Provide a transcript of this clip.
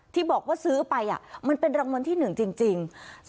ที่บอกว่าซื้อไปมันเป็นรางวัลที่๑จริง